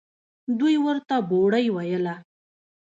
دوى ورته بوړۍ ويله.